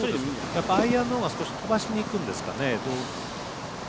やっぱアイアンのほうが少し飛ばしにくいんですかね。